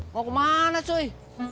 mau kemana coy